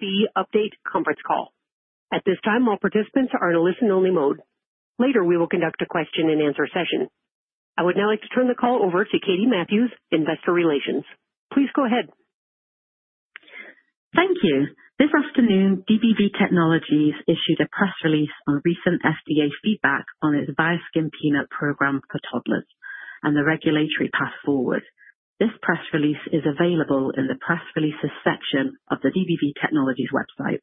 DBV Update Conference Call. At this time, all participants are in a listen-only mode. Later, we will conduct a question-and-answer session. I would now like to turn the call over to Katie Matthews, Investor Relations. Please go ahead. Thank you. This afternoon, DBV Technologies issued a press release on recent FDA feedback on its Viaskin Peanut Program for toddlers and the regulatory path forward. This press release is available in the press releases section of the DBV Technologies website.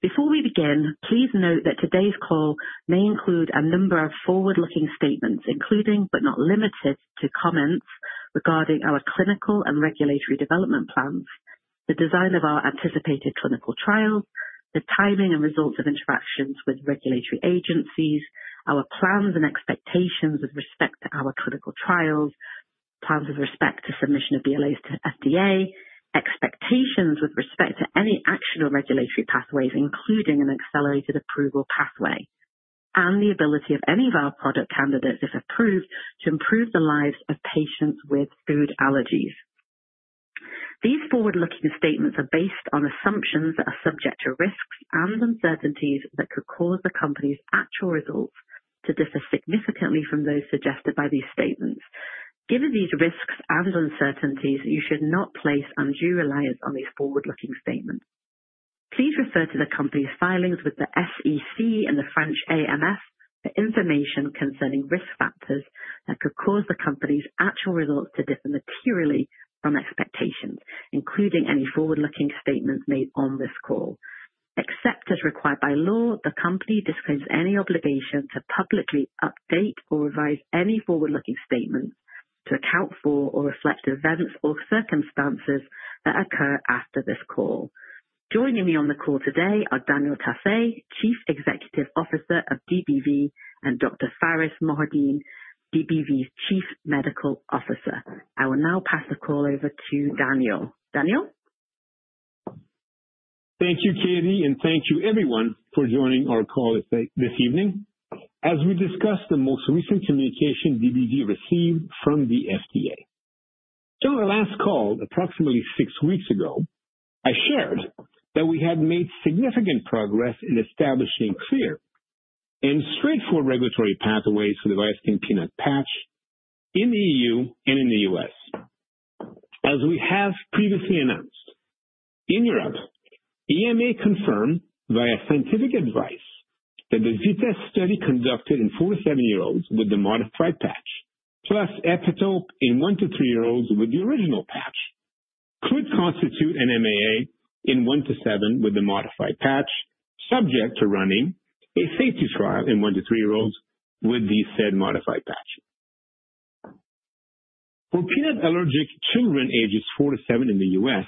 Before we begin, please note that today's call may include a number of forward-looking statements, including but not limited to comments regarding our clinical and regulatory development plans, the design of our anticipated clinical trials, the timing and results of interactions with regulatory agencies, our plans and expectations with respect to our clinical trials, plans with respect to submission of BLAs to FDA, expectations with respect to any action or regulatory pathways, including an accelerated approval pathway, and the ability of any of our product candidates, if approved, to improve the lives of patients with food allergies. These forward-looking statements are based on assumptions that are subject to risks and uncertainties that could cause the company's actual results to differ significantly from those suggested by these statements. Given these risks and uncertainties, you should not place undue reliance on these forward-looking statements. Please refer to the company's filings with the SEC and the French AMF for information concerning risk factors that could cause the company's actual results to differ materially from expectations, including any forward-looking statements made on this call. Except as required by law, the company discloses any obligation to publicly update or revise any forward-looking statements to account for or reflect events or circumstances that occur after this call. Joining me on the call today are Daniel Tassé, Chief Executive Officer of DBV, and Dr. Pharis Mohideen, DBV's Chief Medical Officer. I will now pass the call over to Daniel. Daniel? Thank you, Katie, and thank you, everyone, for joining our call this evening. As we discussed the most recent communication DBV received from the FDA during our last call, approximately six weeks ago, I shared that we had made significant progress in establishing clear and straightforward regulatory pathways for the Viaskin Peanut patch in the EU and in the US. As we have previously announced, in Europe, EMA confirmed via scientific advice that the VITESSE study conducted in four to seven-year-olds with the modified patch, plus EPITOPE in one to three-year-olds with the original patch, could constitute an MAA in one to seven with the modified patch, subject to running a safety trial in one to three-year-olds with the said modified patch. For peanut-allergic children ages four to seven in the US,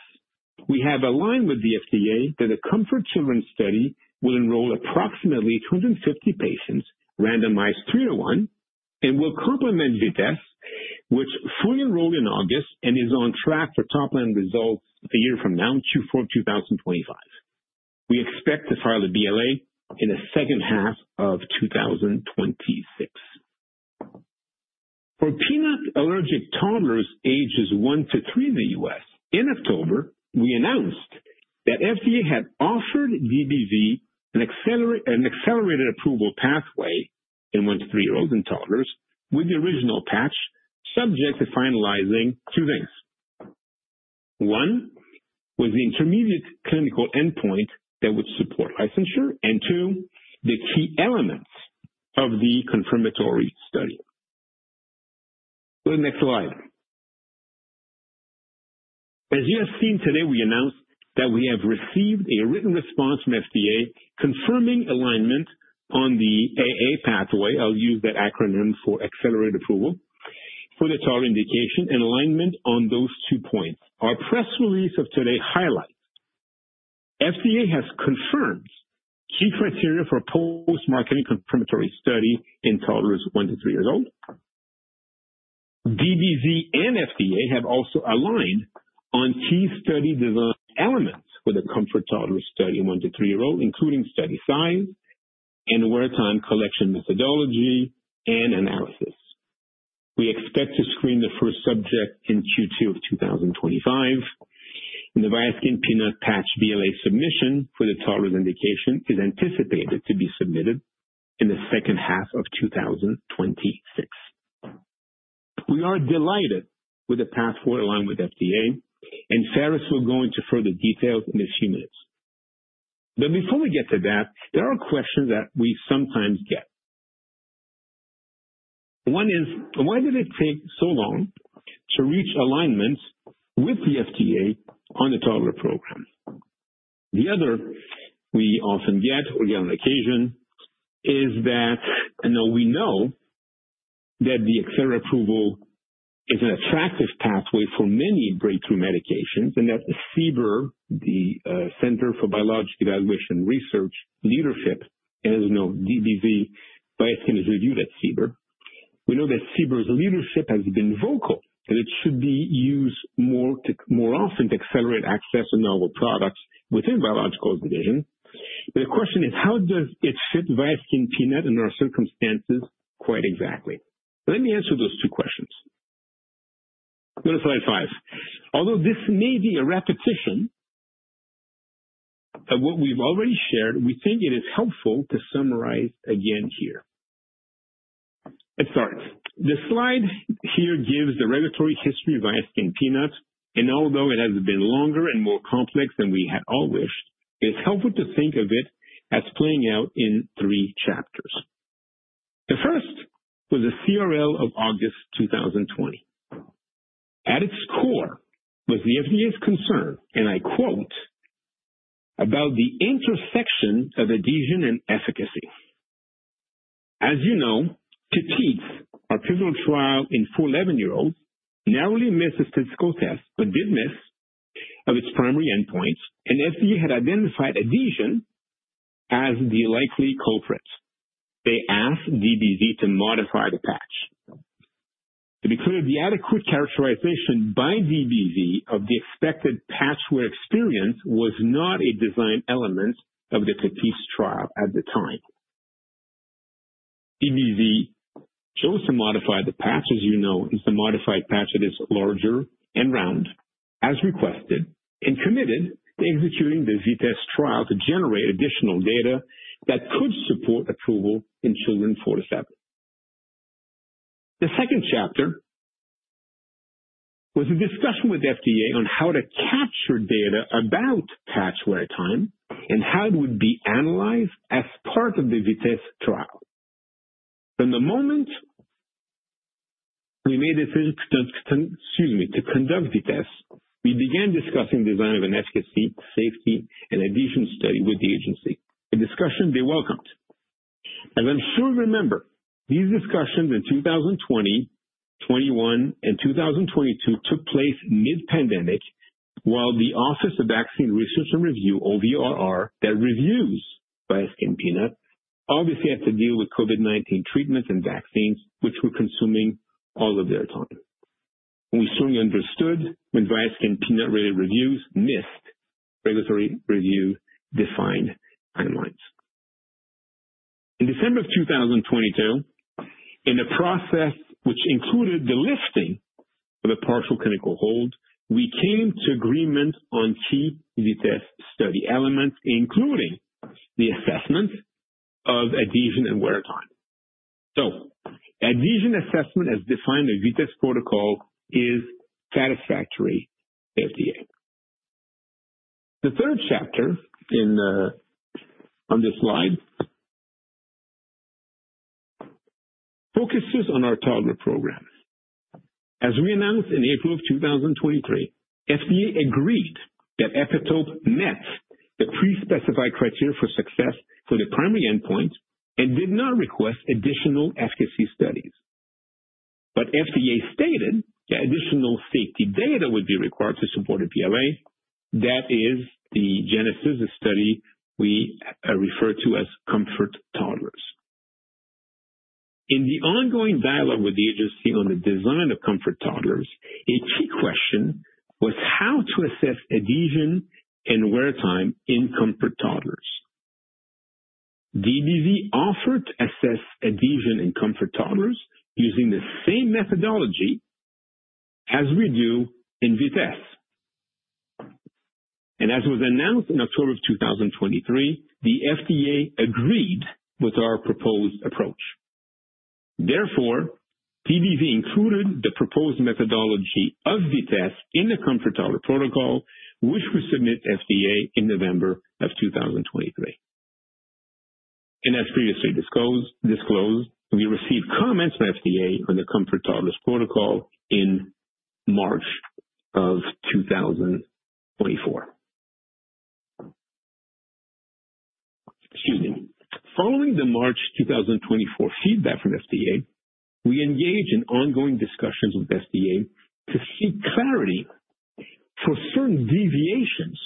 we have aligned with the FDA that the COMFORT Children study will enroll approximately 250 patients, randomized three to one, and will complement VITESSE, which fully enrolled in August and is on track for top-line results a year from now, Q4 2025. We expect to file a BLA in the second half of 2026. For peanut-allergic toddlers ages one to three in the US, in October, we announced that FDA had offered DBV an accelerated approval pathway in one- to three-year-olds and toddlers with the original patch, subject to finalizing two things. One was the intermediate clinical endpoint that would support licensure, and two, the key elements of the confirmatory study. Next slide. As you have seen today, we announced that we have received a written response from FDA confirming alignment on the AA pathway. I'll use that acronym for Accelerated Approval for the toddler indication and alignment on those two points. Our press release of today highlights FDA has confirmed key criteria for post-marketing confirmatory study in toddlers one to three years old. DBV and FDA have also aligned on key study design elements for the COMFORT Toddlers study in one-to-three-year-olds, including study size and wear time collection methodology and analysis. We expect to screen the first subject in Q2 of 2025. The Viaskin Peanut patch BLA submission for the toddler's indication is anticipated to be submitted in the second half of 2026. We are delighted with the pathway aligned with FDA, and Pharis will go into further details in a few minutes. But before we get to that, there are questions that we sometimes get. One is, why did it take so long to reach alignment with the FDA on the toddler program? The other we often get, or get on occasion, is that we know that the accelerated approval is an attractive pathway for many breakthrough medications and that CBER, the Center for Biologics Evaluation and Research, as you know, DBV Viaskin has reviewed at CBER. We know that CBER's leadership has been vocal that it should be used more often to accelerate access to novel products within the biological division. But the question is, how does it fit Viaskin Peanut under our circumstances quite exactly? Let me answer those two questions. Go to slide five. Although this may be a repetition of what we've already shared, we think it is helpful to summarize again here. Let's start. The slide here gives the regulatory history of Viaskin Peanut, and although it has been longer and more complex than we had all wished, it's helpful to think of it as playing out in three chapters. The first was the CRL of August 2020. At its core was the FDA's concern, and I quote, about the intersection of adhesion and efficacy. As you know, PEPITES, our pivotal trial in four to 11-year-olds narrowly missed the statistical test but did miss its primary endpoint, and FDA had identified adhesion as the likely culprit. They asked DBV to modify the patch. To be clear, the adequate characterization by DBV of the expected patch wear experience was not a design element of the PEPITES trial at the time. DBV chose to modify the patch, as you know, is the modified patch that is larger and round, as requested, and committed to executing the VITESSE trial to generate additional data that could support approval in children four to seven. The second chapter was a discussion with the FDA on how to capture data about patch wear time and how it would be analyzed as part of the VITESSE trial. From the moment we made the decision to conduct VITESSE, we began discussing the design of an efficacy, safety, and adhesion study with the agency. The discussion they welcomed. As I'm sure you remember, these discussions in 2020, 2021, and 2022 took place mid-pandemic while the Office of Vaccines Research and Review, OVRR, that reviews Viaskin Peanut obviously had to deal with COVID-19 treatments and vaccines, which were consuming all of their time. We certainly understood when Viaskin Peanut-related reviews missed regulatory review-defined timelines. In December of 2022, in the process which included the lifting of a partial clinical hold, we came to agreement on key VITESSE study elements, including the assessment of adhesion and wear time. So adhesion assessment, as defined in VITESSE protocol, is satisfactory to FDA. The third chapter on this slide focuses on our toddler program. As we announced in April of 2023, FDA agreed that EPITOPE met the pre-specified criteria for success for the primary endpoint and did not request additional efficacy studies. But FDA stated that additional safety data would be required to support a BLA, that is, the genesis of study we refer to as COMFORT Toddlers. In the ongoing dialogue with the agency on the design of COMFORT Toddlers, a key question was how to assess adhesion and wear time in COMFORT Toddlers. DBV offered to assess adhesion in COMFORT Toddlers using the same methodology as we do in VITESSE, and as was announced in October of 2023, the FDA agreed with our proposed approach. Therefore, DBV included the proposed methodology of VITESSE in the COMFORT Toddler protocol, which we submit to FDA in November of 2023, and as previously disclosed, we received comments from FDA on the COMFORT Toddlers protocol in March of 2024. Excuse me. Following the March 2024 feedback from FDA, we engaged in ongoing discussions with FDA to seek clarity for certain deviations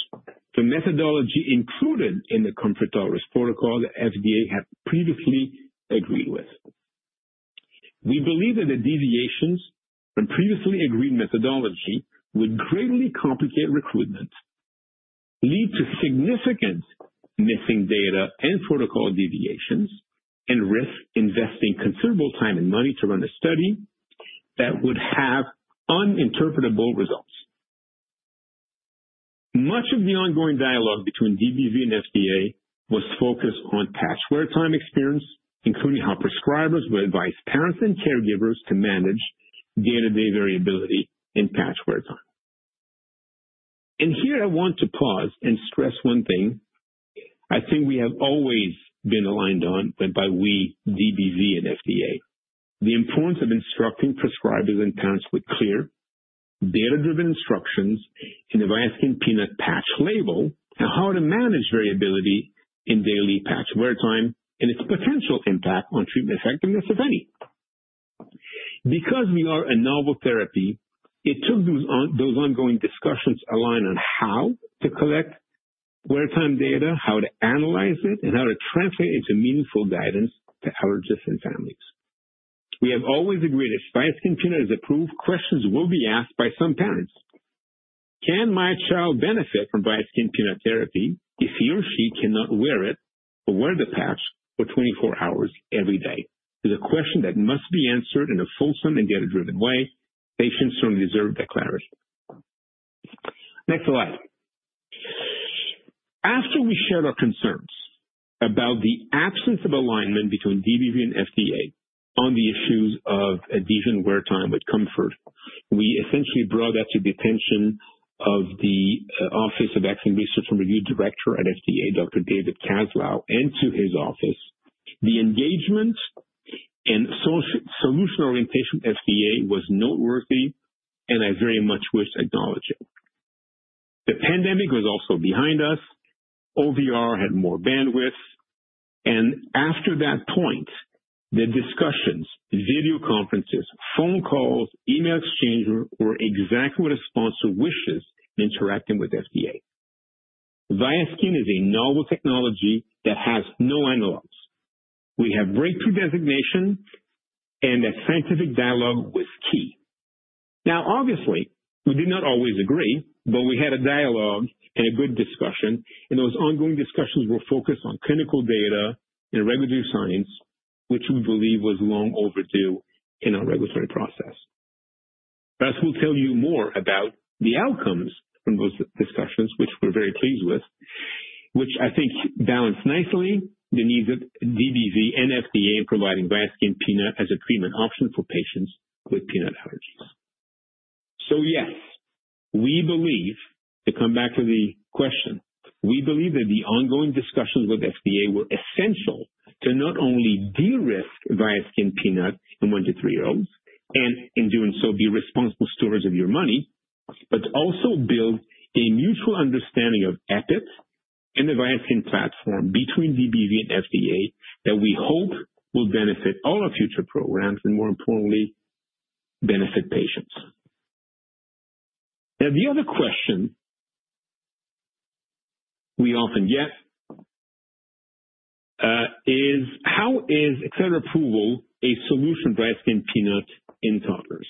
from methodology included in the COMFORT Toddlers protocol that FDA had previously agreed with. We believe that the deviations from previously agreed methodology would greatly complicate recruitment, lead to significant missing data and protocol deviations, and risk investing considerable time and money to run a study that would have uninterpretable results. Much of the ongoing dialogue between DBV and FDA was focused on patch wear time experience, including how prescribers would advise parents and caregivers to manage day-to-day variability in patch wear time, and here, I want to pause and stress one thing I think we have always been aligned on by we, DBV and FDA, the importance of instructing prescribers and parents with clear data-driven instructions in the Viaskin Peanut patch label and how to manage variability in daily patch wear time and its potential impact on treatment effectiveness, if any. Because we are a novel therapy, it took those ongoing discussions to align on how to collect wear time data, how to analyze it, and how to translate it into meaningful guidance to allergists and families. We have always agreed if Viaskin Peanut is approved, questions will be asked by some parents. Can my child benefit from Viaskin Peanut therapy if he or she cannot wear it or wear the patch for 24 hours every day? It's a question that must be answered in a fulsome and data-driven way. Patients certainly deserve that clarity. Next slide. After we shared our concerns about the absence of alignment between DBV and FDA on the issues of adhesion and wear time with comfort, we essentially brought that to the attention of the Office of Vaccines Research and Review Director at FDA, Dr. David Kaslow, and to his office. The engagement and solution orientation with FDA was noteworthy, and I very much wish to acknowledge it. The pandemic was also behind us. OVR had more bandwidth. And after that point, the discussions, video conferences, phone calls, email exchange were exactly what a sponsor wishes in interacting with FDA. Viaskin is a novel technology that has no analogs. We have breakthrough designation, and that scientific dialogue was key. Now, obviously, we did not always agree, but we had a dialogue and a good discussion. And those ongoing discussions were focused on clinical data and regulatory science, which we believe was long overdue in our regulatory process. I will tell you more about the outcomes from those discussions, which we're very pleased with, which I think balanced nicely the needs of DBV and FDA in providing Viaskin Peanut as a treatment option for patients with peanut allergies. So yes, we believe, to come back to the question, we believe that the ongoing discussions with FDA were essential to not only de-risk Viaskin Peanut in one- to three-year-olds and, in doing so, be responsible stewards of your money, but also build a mutual understanding of EPIT and the Viaskin platform between DBV and FDA that we hope will benefit all our future programs and, more importantly, benefit patients. Now, the other question we often get is, how is accelerated approval a solution for Viaskin Peanut in toddlers?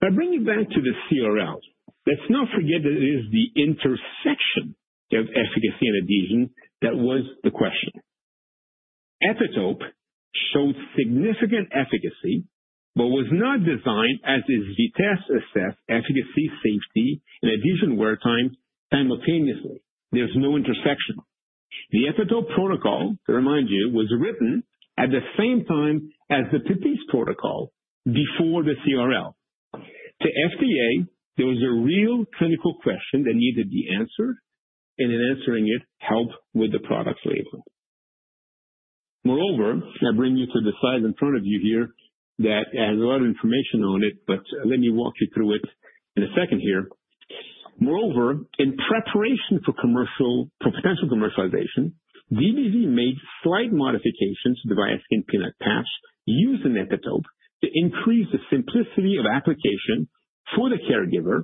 By bringing back to the CRL, let's not forget that it is the intersection of efficacy and adhesion that was the question. EPITOPE showed significant efficacy but was not designed as is VITESSE assessed efficacy, safety, and adhesion wear time simultaneously. There's no intersection. The EPITOPE protocol, to remind you, was written at the same time as the PEPITES protocol before the CRL. To FDA, there was a real clinical question that needed to be answered, and in answering it, helped with the product label. Moreover, I bring you to the slide in front of you here that has a lot of information on it, but let me walk you through it in a second here. Moreover, in preparation for potential commercialization, DBV made slight modifications to the Viaskin Peanut patch using EPITOPE to increase the simplicity of application for the caregiver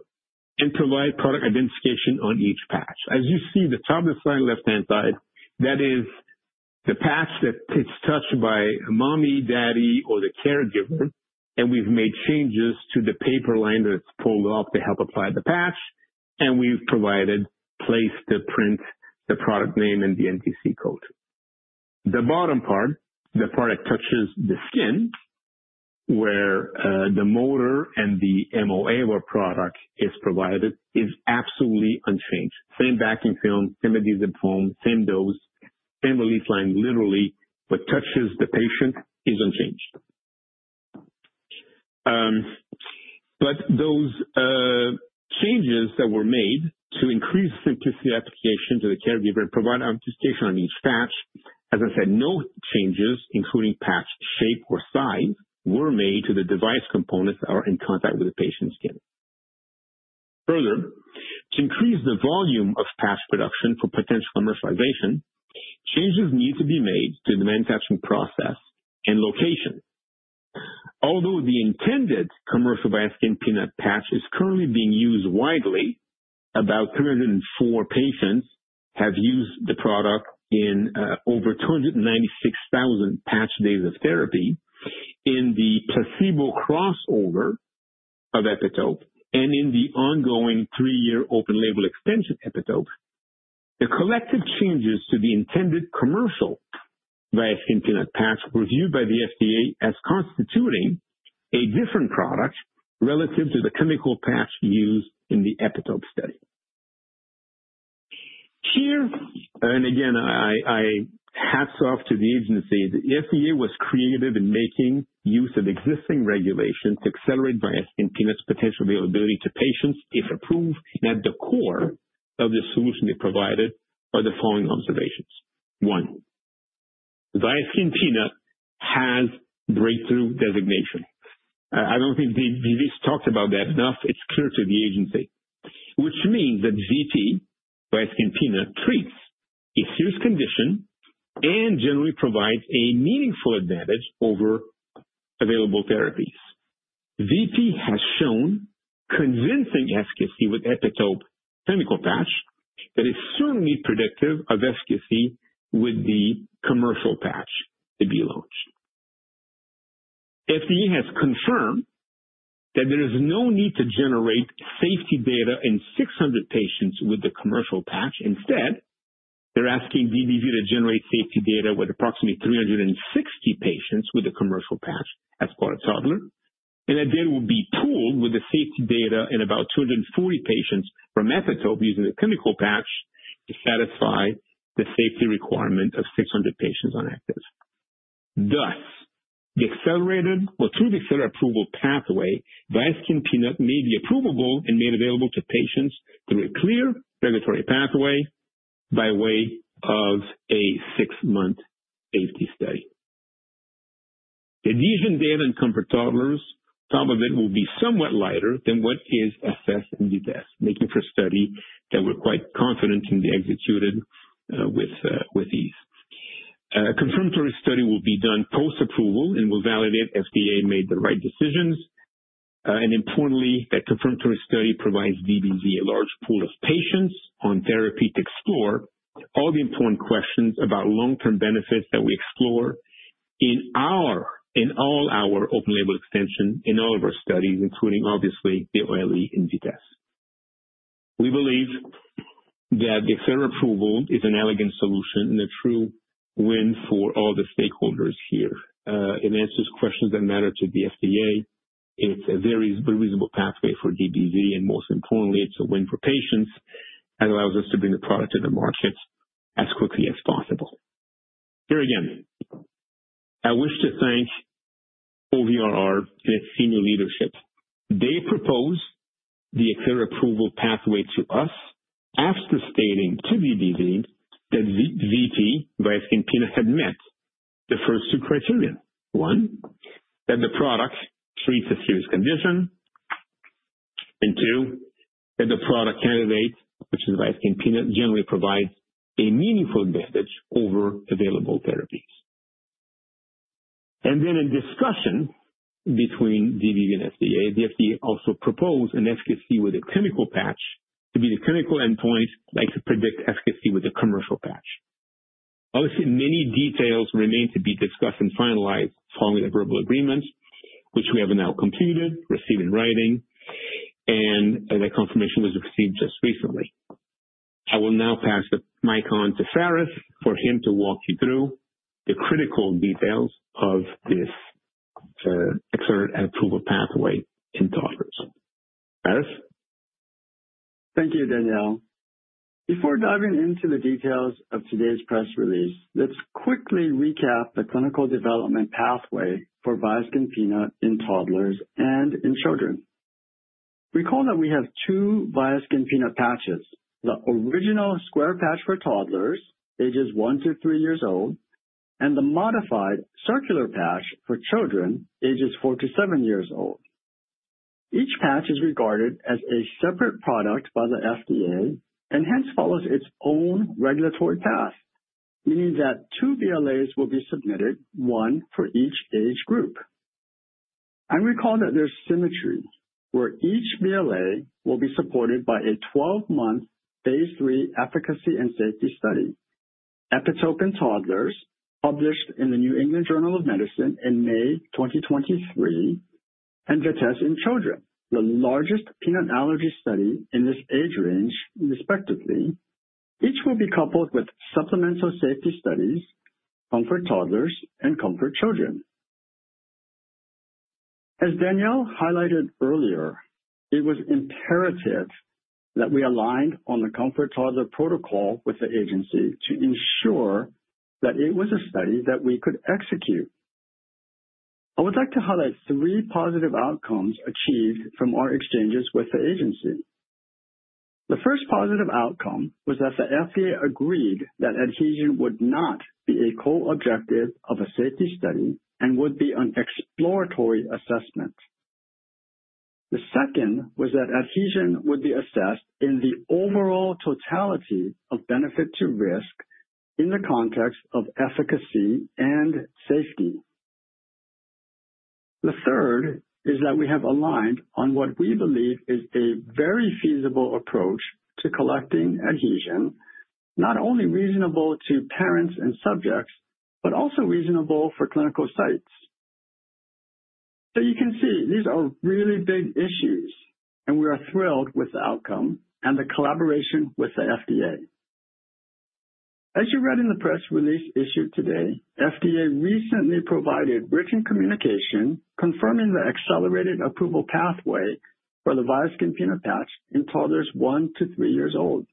and provide product identification on each patch. As you see the top of the slide on the left-hand side, that is the patch that gets touched by mommy, daddy, or the caregiver, and we've made changes to the paper liner that's pulled off to help apply the patch, and we've provided a place to print the product name and the NDC code. The bottom part, the part that touches the skin where the allergen and the API or product is provided, is absolutely unchanged. Same vacuum film, same adhesive foam, same dose, same release liner, literally, what touches the patient is unchanged. But those changes that were made to increase the simplicity of application to the caregiver and provide identification on each patch, as I said, no changes, including patch shape or size, were made to the device components that are in contact with the patient's skin. Further, to increase the volume of patch production for potential commercialization, changes need to be made to the manufacturing process and location. Although the intended commercial Viaskin Peanut patch is currently being used widely, about 304 patients have used the product in over 296,000 patch days of therapy in the placebo crossover of EPITOPE and in the ongoing three-year open-label extension EPITOPE. The collective changes to the intended commercial Viaskin Peanut patch were viewed by the FDA as constituting a different product relative to the clinical patch used in the EPITOPE study. Here, and again, hats off to the agency, the FDA was creative in making use of existing regulations to accelerate Viaskin Peanut's potential availability to patients if approved, and at the core of the solution they provided are the following observations. One, Viaskin Peanut has breakthrough designation. I don't think DBV's talked about that enough. It's clear to the agency, which means that Viaskin Peanut treats a serious condition and generally provides a meaningful advantage over available therapies. Viaskin Peanut has shown convincing efficacy with EPITOPE chemical patch that is certainly predictive of efficacy with the commercial patch to be launched. FDA has confirmed that there is no need to generate safety data in 600 patients with the commercial patch. Instead, they're asking DBV to generate safety data with approximately 360 patients with the commercial patch as part of toddler, and that data will be pooled with the safety data in about 240 patients from EPITOPE using the chemical patch to satisfy the safety requirement of 600 patients on EPITOPE. Thus, the accelerated or through the accelerated approval pathway, Viaskin Peanut may be approvable and made available to patients through a clear regulatory pathway by way of a six-month safety study. Adhesion data in COMFORT Toddlers, some of it will be somewhat lighter than what is assessed in VITESSE, making for a study that we're quite confident can be executed with ease. A confirmatory study will be done post-approval and will validate if FDA made the right decisions. And importantly, that confirmatory study provides DBV a large pool of patients on therapy to explore all the important questions about long-term benefits that we explore in all our Open-Label Extension, in all of our studies, including, obviously, the OLE and VITESSE. We believe that the Accelerated Approval is an elegant solution and a true win for all the stakeholders here. It answers questions that matter to the FDA. It's a very reasonable pathway for DBV, and most importantly, it's a win for patients that allows us to bring the product to the market as quickly as possible. Here again, I wish to thank OVRR and its senior leadership. They proposed the accelerated approval pathway to us after stating to DBV that VP, Viaskin Peanut had met the first two criteria. One, that the product treats a serious condition, and two, that the product candidate, which is Viaskin Peanut, generally provides a meaningful advantage over available therapies, and then in discussion between DBV and FDA, the FDA also proposed an efficacy with a chemical patch to be the clinical endpoint, like to predict efficacy with a commercial patch. Obviously, many details remain to be discussed and finalized following the verbal agreement, which we have now completed, received in writing, and the confirmation was received just recently. I will now pass the mic on to Pharis for him to walk you through the critical details of this accelerated approval pathway in toddlers. Pharis? Thank you, Daniel. Before diving into the details of today's press release, let's quickly recap the clinical development pathway for Viaskin Peanut in toddlers and in children. Recall that we have two Viaskin Peanut patches: the original square patch for toddlers, ages 1 to 3 years old, and the modified circular patch for children, ages 4 to 7 years old. Each patch is regarded as a separate product by the FDA and hence follows its own regulatory path, meaning that two BLAs will be submitted, one for each age group. I recall that there's symmetry, where each BLA will be supported by a 12-month phase 3 efficacy and safety study: EPITOPE in toddlers, published in the New England Journal of Medicine in May 2023, and VITESSE in children, the largest peanut allergy study in this age range, respectively. Each will be coupled with supplemental safety studies: COMFORT Toddlers and COMFORT Children. As Daniel highlighted earlier, it was imperative that we aligned on the COMFORT Toddlers protocol with the agency to ensure that it was a study that we could execute. I would like to highlight three positive outcomes achieved from our exchanges with the agency. The first positive outcome was that the FDA agreed that adhesion would not be a co-objective of a safety study and would be an exploratory assessment. The second was that adhesion would be assessed in the overall totality of benefit to risk in the context of efficacy and safety. The third is that we have aligned on what we believe is a very feasible approach to collecting adhesion, not only reasonable to parents and subjects, but also reasonable for clinical sites, so you can see these are really big issues, and we are thrilled with the outcome and the collaboration with the FDA. As you read in the press release issued today, FDA recently provided written communication confirming the accelerated approval pathway for the Viaskin Peanut patch in toddlers one to three years old.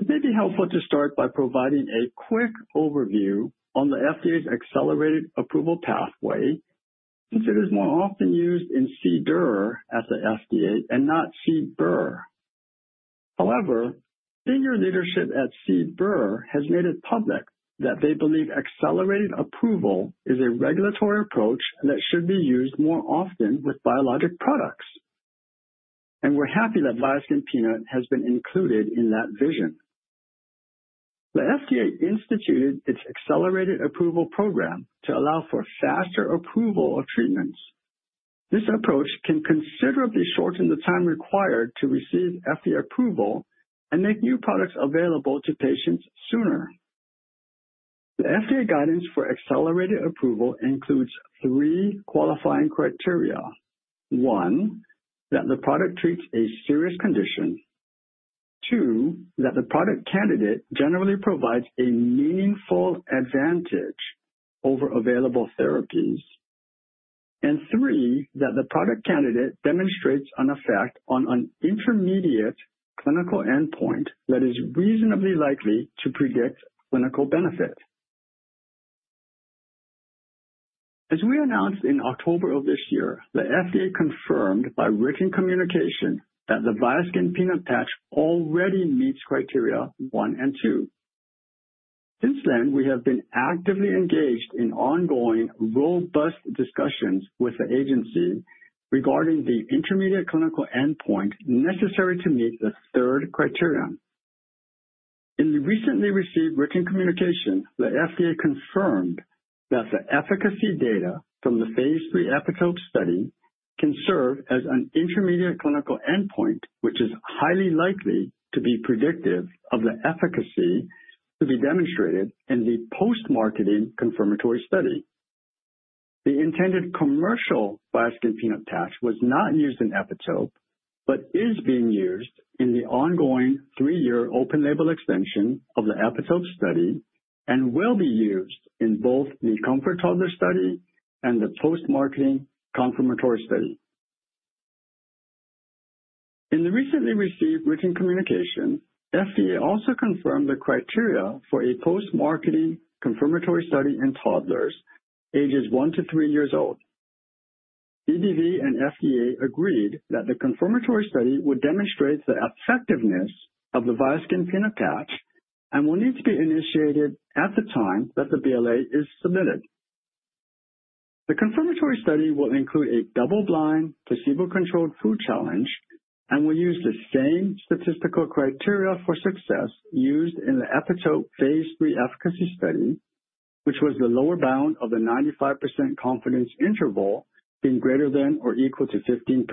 It may be helpful to start by providing a quick overview on the FDA's accelerated approval pathway, since it is more often used in CDER at the FDA and not CBER. However, senior leadership at CBER has made it public that they believe accelerated approval is a regulatory approach that should be used more often with biologic products. And we're happy that Viaskin Peanut has been included in that vision. The FDA instituted its accelerated approval program to allow for faster approval of treatments. This approach can considerably shorten the time required to receive FDA approval and make new products available to patients sooner. The FDA guidance for accelerated approval includes three qualifying criteria. One, that the product treats a serious condition. Two, that the product candidate generally provides a meaningful advantage over available therapies. And three, that the product candidate demonstrates an effect on an intermediate clinical endpoint that is reasonably likely to predict clinical benefit. As we announced in October of this year, the FDA confirmed by written communication that the Viaskin Peanut patch already meets criteria one and two. Since then, we have been actively engaged in ongoing robust discussions with the agency regarding the intermediate clinical endpoint necessary to meet the third criterion. In the recently received written communication, the FDA confirmed that the efficacy data from the phase 3 EPITOPE study can serve as an intermediate clinical endpoint, which is highly likely to be predictive of the efficacy to be demonstrated in the post-marketing confirmatory study. The intended commercial Viaskin Peanut patch was not used in EPITOPE but is being used in the ongoing three-year open-label extension of the EPITOPE study and will be used in both the COMFORT Toddlers study and the post-marketing confirmatory study. In the recently received written communication, FDA also confirmed the criteria for a post-marketing confirmatory study in toddlers ages one to three years old. DBV and FDA agreed that the confirmatory study would demonstrate the effectiveness of the Viaskin Peanut patch and will need to be initiated at the time that the BLA is submitted. The confirmatory study will include a double-blind placebo-controlled food challenge and will use the same statistical criteria for success used in the EPITOPE phase 3 efficacy study, which was the lower bound of the 95% confidence interval being greater than or equal to 15%.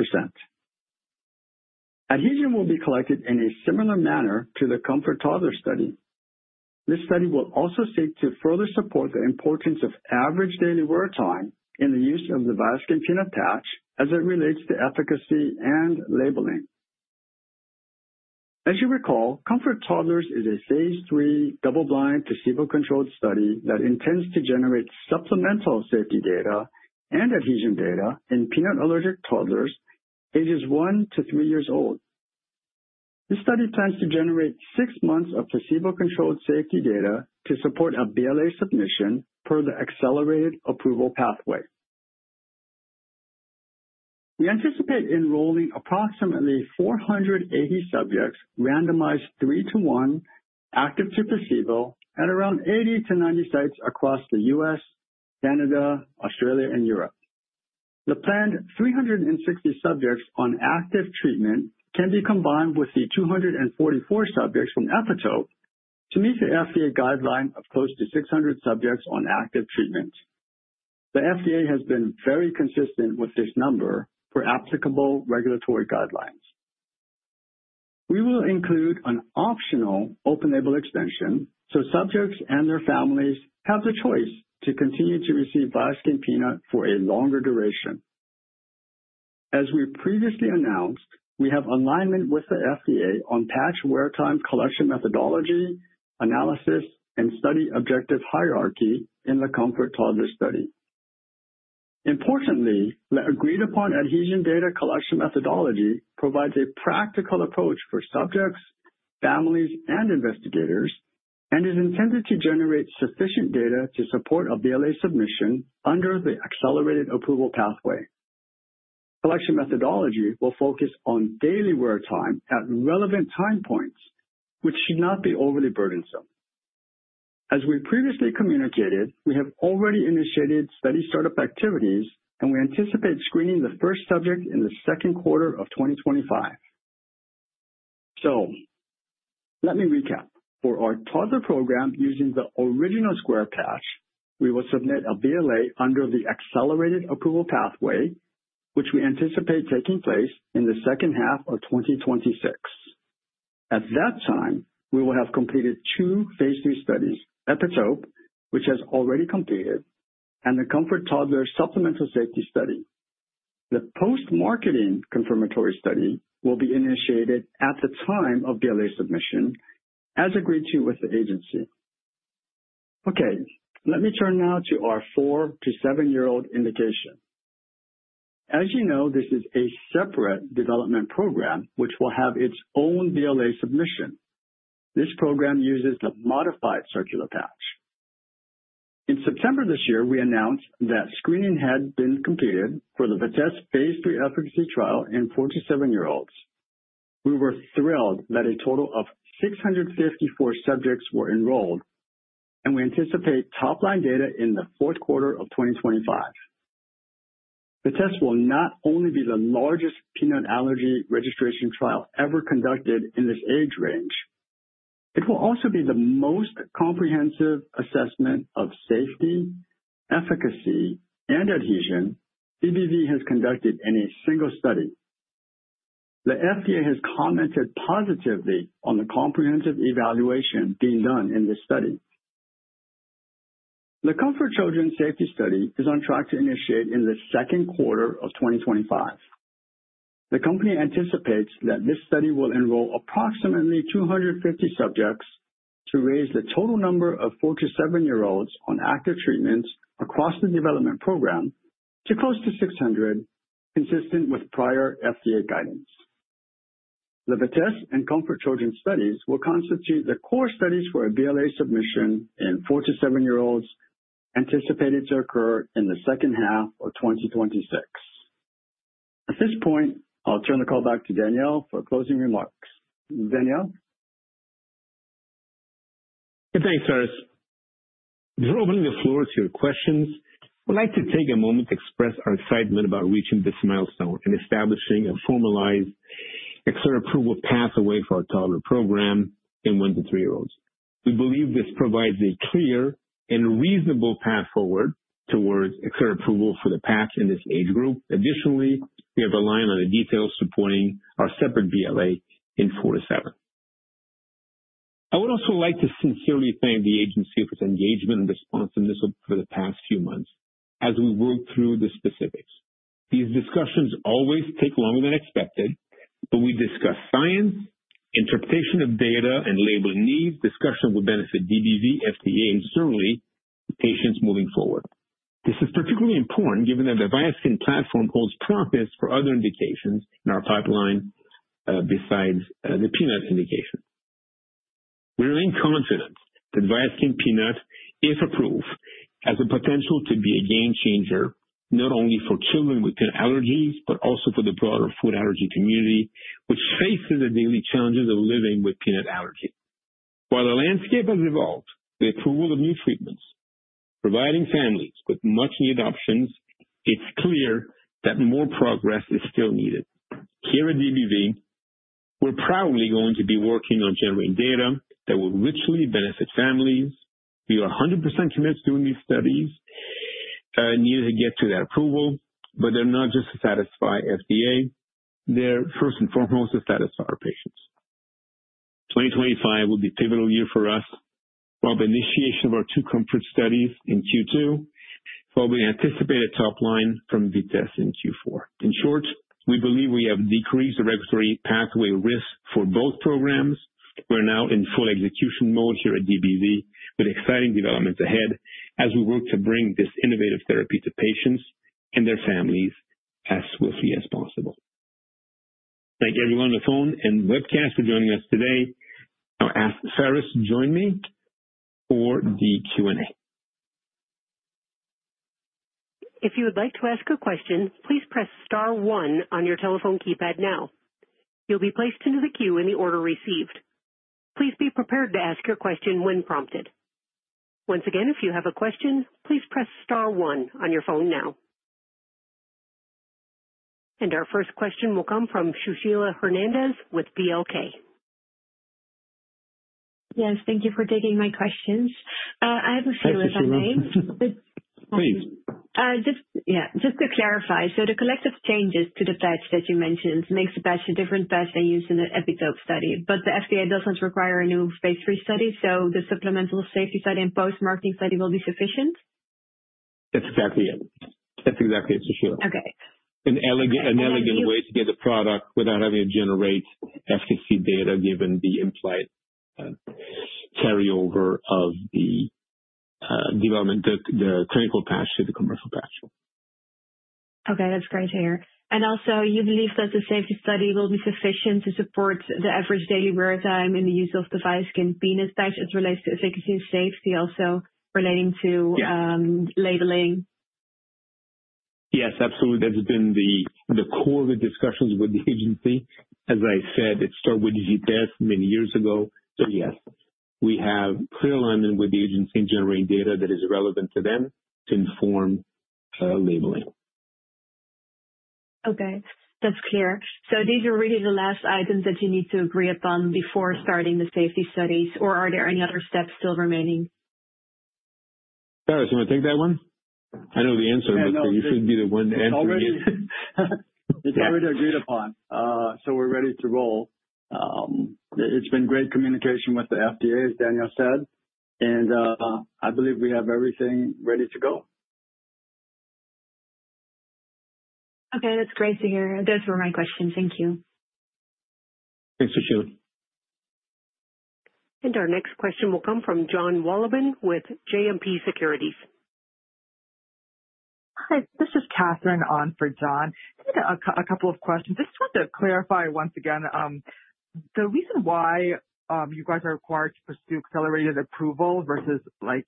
Adhesion will be collected in a similar manner to the COMFORT Toddlers study. This study will also seek to further support the importance of average daily wear time in the use of the Viaskin Peanut patch as it relates to efficacy and labeling. As you recall, COMFORT Toddlers is a phase three double-blind placebo-controlled study that intends to generate supplemental safety data and adhesion data in peanut allergic toddlers ages one to three years old. This study plans to generate six months of placebo-controlled safety data to support a BLA submission per the accelerated approval pathway. We anticipate enrolling approximately 480 subjects, randomized three to one, active to placebo, at around 80 to 90 sites across the US, Canada, Australia, and Europe. The planned 360 subjects on active treatment can be combined with the 244 subjects from EPITOPE to meet the FDA guideline of close to 600 subjects on active treatment. The FDA has been very consistent with this number for applicable regulatory guidelines. We will include an optional Open-Label Extension so subjects and their families have the choice to continue to receive Viaskin Peanut for a longer duration. As we previously announced, we have alignment with the FDA on patch wear time collection methodology, analysis, and study objective hierarchy in the COMFORT Toddlers study. Importantly, the agreed-upon adhesion data collection methodology provides a practical approach for subjects, families, and investigators and is intended to generate sufficient data to support a BLA submission under the Accelerated Approval pathway. Collection methodology will focus on daily wear time at relevant time points, which should not be overly burdensome. As we previously communicated, we have already initiated study startup activities, and we anticipate screening the first subject in the second quarter of 2025. So let me recap. For our toddler program using the original square patch, we will submit a BLA under the accelerated approval pathway, which we anticipate taking place in the second half of 2026. At that time, we will have completed two phase 3 studies, Epitope, which has already completed, and the COMFORT Toddlers supplemental safety study. The post-marketing confirmatory study will be initiated at the time of BLA submission, as agreed to with the agency. Okay, let me turn now to our four to seven-year-old indication. As you know, this is a separate development program, which will have its own BLA submission. This program uses the modified circular patch. In September this year, we announced that screening had been completed for the VITESSE phase 3 efficacy trial in 4- to 7-year-olds. We were thrilled that a total of 654 subjects were enrolled, and we anticipate top-line data in the fourth quarter of 2025. VITESSE will not only be the largest peanut allergy registration trial ever conducted in this age range. It will also be the most comprehensive assessment of safety, efficacy, and adhesion DBV has conducted in a single study. The FDA has commented positively on the comprehensive evaluation being done in this study. The COMFORT Children safety study is on track to initiate in the second quarter of 2025. The company anticipates that this study will enroll approximately 250 subjects to raise the total number of 4- to 7-year-olds on active treatments across the development program to close to 600, consistent with prior FDA guidance. The VITESSE and COMFORT Children studies will constitute the core studies for a BLA submission in four to seven-year-olds anticipated to occur in the second half of 2026. At this point, I'll turn the call back to Daniel for closing remarks. Daniel? Thanks, Pharis. Before opening the floor to your questions, I would like to take a moment to express our excitement about reaching this milestone and establishing a formalized accelerated approval pathway for our toddler program in one to three-year-olds. We believe this provides a clear and reasonable path forward towards accelerated approval for the patch in this age group. Additionally, we have aligned on the details supporting our separate BLA in four to seven. I would also like to sincerely thank the agency for its engagement and responsiveness over the past few months as we worked through the specifics. These discussions always take longer than expected, but we discuss science, interpretation of data, and labeling needs, discussion with benefit DBV, FDA, and certainly patients moving forward. This is particularly important given that the Viaskin platform holds promise for other indications in our pipeline besides the peanut indication. We remain confident that Viaskin Peanut is approved as a potential to be a game changer not only for children with peanut allergies but also for the broader food allergy community, which faces the daily challenges of living with peanut allergy. While the landscape has evolved with the approval of new treatments, providing families with much-needed options, it's clear that more progress is still needed. Here at DBV, we're proudly going to be working on generating data that will richly benefit families. We are 100% committed to doing these studies and need to get to that approval, but they're not just to satisfy FDA. They're first and foremost to satisfy our patients. 2025 will be a pivotal year for us. We'll have the initiation of our two comfort studies in Q2, while we anticipate a top line from Vitesse in Q4. In short, we believe we have decreased the regulatory pathway risk for both programs. We're now in full execution mode here at DBV with exciting developments ahead as we work to bring this innovative therapy to patients and their families as swiftly as possible. Thank everyone on the phone and webcast for joining us today. Now, ask Pharis to join me for the Q&A. If you would like to ask a question, please press star one on your telephone keypad now. You'll be placed into the queue in the order received. Please be prepared to ask your question when prompted. Once again, if you have a question, please press star one on your phone now. And our first question will come from Shushila Hernandez with VLK. Yes, thank you for taking my questions. I have a few. Pleasure. Pleasure. Just to clarify, so the collective changes to the patch that you mentioned makes the patch a different patch than used in the EPITOPE study, but the FDA doesn't require a new phase 3 study, so the supplemental safety study and post-marketing study will be sufficient? That's exactly it. That's exactly it, Shushila. Okay. An elegant way to get the product without having to generate efficacy data given the implied carryover of the development, the clinical patch to the commercial patch. Okay, that's great to hear. And also, you believe that the safety study will be sufficient to support the average daily wear time in the use of the Viaskin Peanut patch as it relates to efficacy and safety, also relating to labeling? Yes, absolutely. That's been the core of the discussions with the agency. As I said, it started with VITESSE many years ago. So yes, we have clear alignment with the agency in generating data that is relevant to them to inform labeling. Okay, that's clear. So these are really the last items that you need to agree upon before starting the safety studies, or are there any other steps still remaining? Pharis, you want to take that one? I know the answer, but you should be the one answering it. It's already agreed upon, so we're ready to roll. It's been great communication with the FDA, as Daniel said, and I believe we have everything ready to go. Okay, that's great to hear. Those were my questions. Thank you. Thanks, Shushila. And our next question will come from Jon Wolleben with JMP Securities. Hi, this is Katherine on for John. Just a couple of questions. Just want to clarify once again, the reason why you guys are required to pursue accelerated approval versus like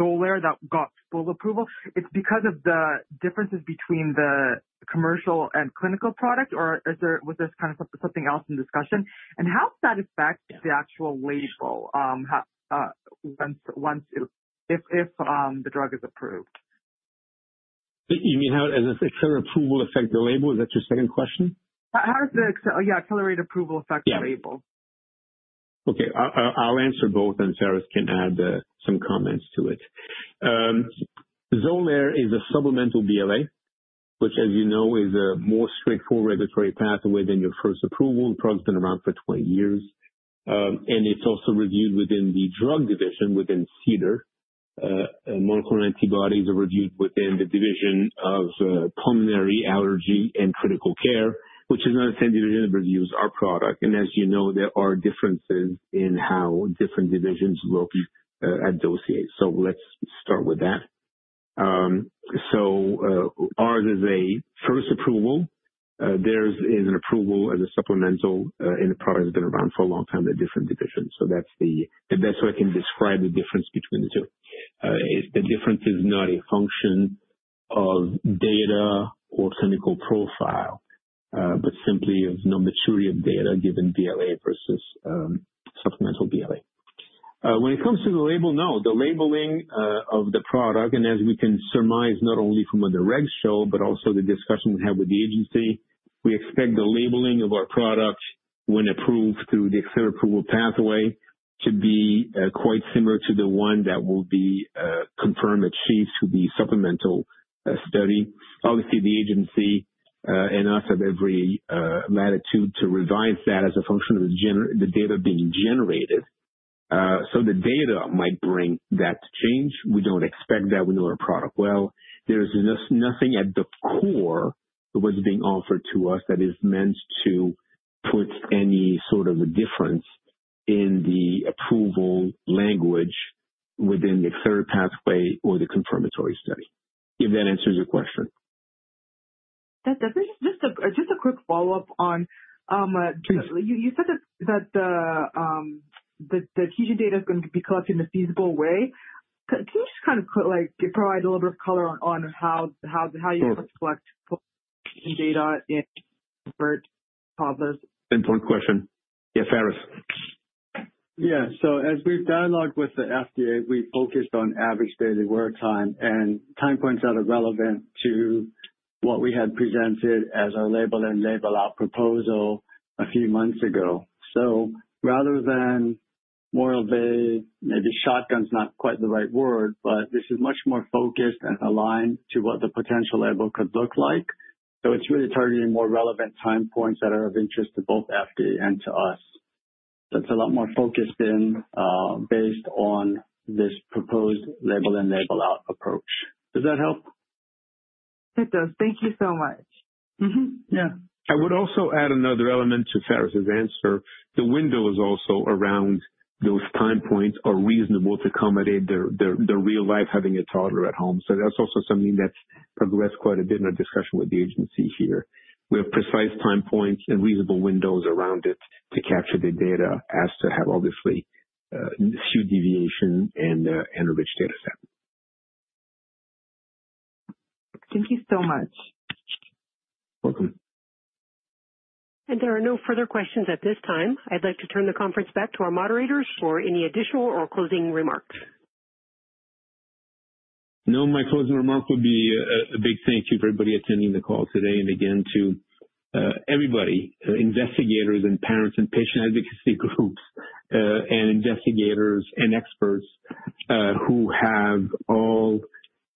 Xolair that got full approval. It's because of the differences between the commercial and clinical product, or was there kind of something else in discussion? And how does that affect the actual label once the drug is approved? You mean how does accelerated approval affect the label? Is that your second question? How does the accelerated approval affect the label? Yes. Okay, I'll answer both, and Pharis can add some comments to it. Xolair is a supplemental BLA, which, as you know, is a more straightforward regulatory pathway than your first approval. The product's been around for 20 years, and it's also reviewed within the drug division within CDER. Monoclonal antibodies are reviewed within the division of pulmonary allergy and critical care, which is another same division that reviews our product, and as you know, there are differences in how different divisions look at dosing, so let's start with that, so ours is a first approval. Theirs is an approval as a supplemental, and the product has been around for a long time in different divisions, so that's the best way I can describe the difference between the two. The difference is not a function of data or clinical profile, but simply of the maturity of data given BLA versus supplemental BLA. When it comes to the label, no. The labeling of the product, and as we can surmise not only from what the regs show, but also the discussion we had with the agency, we expect the labeling of our product when approved through the accelerated approval pathway to be quite similar to the one that will be confirmed achieved through the supplemental study. Obviously, the agency and us have every latitude to revise that as a function of the data being generated. So the data might bring that change. We don't expect that. We know our product well. There is nothing at the core of what's being offered to us that is meant to put any sort of a difference in the approval language within the accelerated pathway or the confirmatory study. If that answers your question. That doesn't. Just a quick follow-up on. Sure. You said that the TG data is going to be collected in a feasible way. Can you just kind of provide a little bit of color on how you collect data in COMFORT Toddlers? Important question. Yeah, Pharis. Yeah, so as we've dialogued with the FDA, we focused on average daily wear time, and time points that are relevant to what we had presented as our label and label out proposal a few months ago. So rather than more of a maybe shotgun's not quite the right word, but this is much more focused and aligned to what the potential label could look like. So it's really targeting more relevant time points that are of interest to both FDA and to us. That's a lot more focused in based on this proposed label and label out approach. Does that help? It does. Thank you so much. Yeah. I would also add another element to Pharis's answer. The window is also around those time points are reasonable to accommodate the real life having a toddler at home. So that's also something that's progressed quite a bit in our discussion with the agency here. We have precise time points and reasonable windows around it to capture the data as to have obviously skewed deviation and a rich data set. Thank you so much. You're welcome. And there are no further questions at this time. I'd like to turn the conference back to our moderators for any additional or closing remarks. No, my closing remark would be a big thank you for everybody attending the call today. Again, to everybody, investigators and parents and patient advocacy groups and investigators and experts who have all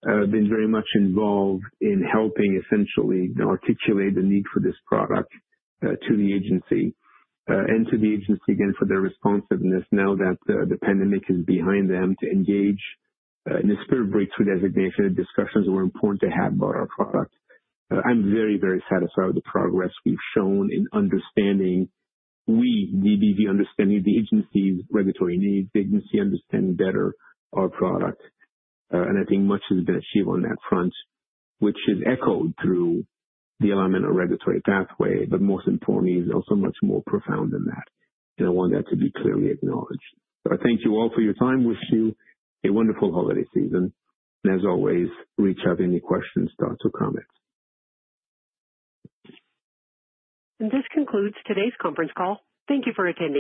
been very much involved in helping essentially articulate the need for this product to the agency and to the agency again for their responsiveness now that the pandemic is behind them to engage in a spirit breakthrough designation and discussions that were important to have about our product. I'm very, very satisfied with the progress we've shown in understanding we, DBV, understanding the agency's regulatory needs, the agency understanding better our product. I think much has been achieved on that front, which is echoed through the alignment of regulatory pathway, but most importantly, is also much more profound than that. I want that to be clearly acknowledged. So I thank you all for your time. Wish you a wonderful holiday season. And as always, reach out if you have any questions, thoughts, or comments. And this concludes today's conference call. Thank you for attending.